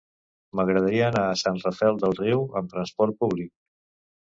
M'agradaria anar a Sant Rafel del Riu amb transport públic.